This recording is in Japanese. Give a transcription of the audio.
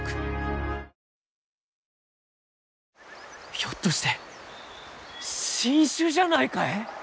ひょっとして新種じゃないかえ？